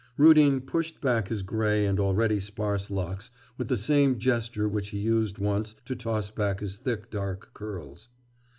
Rudin pushed back his grey and already sparse locks with the same gesture which he used once to toss back his thick, dark curls.